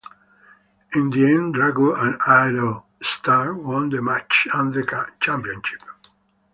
In the end Drago and Aero Star won the match and the championship.